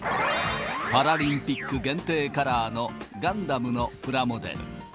パラリンピック限定カラーのガンダムのプラモデル。